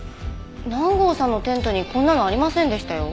南郷さんのテントにこんなのありませんでしたよ。